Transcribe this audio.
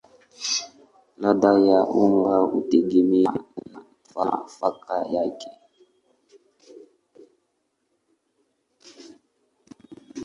Ladha ya unga hutegemea na nafaka yake.